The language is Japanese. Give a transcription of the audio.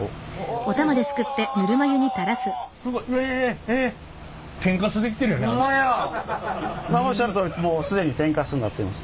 おっしゃるとおりもう既に天かすになっています。